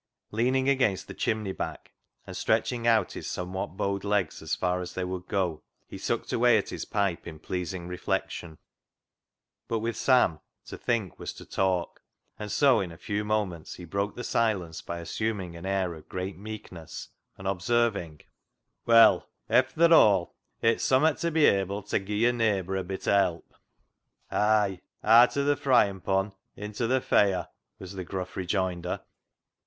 Leaning against the chimney back, and stretching out his somewhat bowed legs as far as they would go, he sucked away at his pipe in pleasing reflection. But with Sam to think was to talk, and so in a few moments he broke the silence by assuming an air of great meek ness, and observing — 181 i82 CLOG SHOP CHRONICLES " Well, efther aw, it's summut ta be able ta gi' yo'r neighbur a bit o' help." " Ay : aat o' th' fryin' pon into th' feire," was the gruff rejoinder.